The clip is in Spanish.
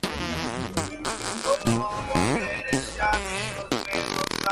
Cariñosamente lo apodan "Piojo" debido a su parecido con el exfutbolista Claudio Piojo López.